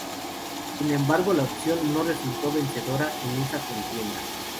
Sin embargo, la opción "No" resultó vencedora en esa contienda.